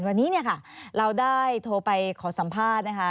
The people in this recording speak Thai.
วันนี้เราได้โทรไปขอสัมภาษณ์นะคะ